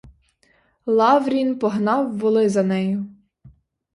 Лаврін погнав воли за нею.